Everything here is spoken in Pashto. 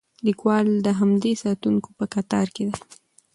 لیکوال د همدې ساتونکو په کتار کې دی.